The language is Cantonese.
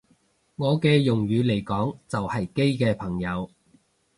我嘅用語嚟講就係基嘅朋友